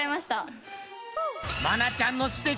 愛菜ちゃんの指摘